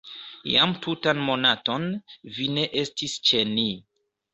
Jam tutan monaton vi ne estis ĉe ni.